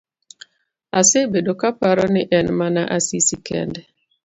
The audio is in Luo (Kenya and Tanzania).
Asebedo kaparo ni en mana Asisi kende.